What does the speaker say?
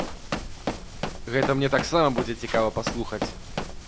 Гэта мне таксама будзе цікава паслухаць.